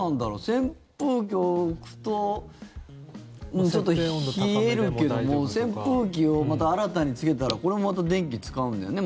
扇風機を置くとちょっと冷えるけども扇風機をまた新たにつけたらこれまた電気使うんだよね。